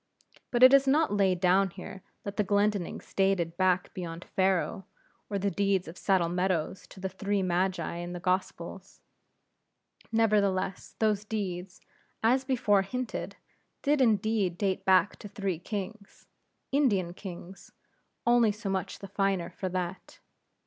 But it is not laid down here that the Glendinnings dated back beyond Pharaoh, or the deeds of Saddle Meadows to the Three Magi in the Gospels. Nevertheless, those deeds, as before hinted, did indeed date back to three kings Indian kings only so much the finer for that.